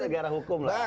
ini negara hukum lah